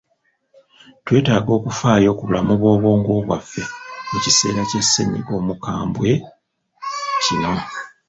twetaaga okufaayo ku bulamu bw'obwongo bwaffe mu kiseera kya ssennyiga omukambwe kino.